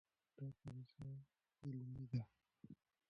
دا پروسه علمي ده.